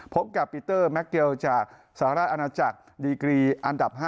พบกับปีเตอร์แม็กเกลจากสหราชอาณาจักรดีกรีอันดับ๕